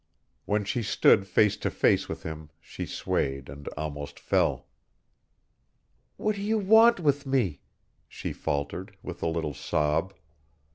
When she stood face to face with him she swayed and almost fell. "What do you want with me?" she faltered, with a little sob.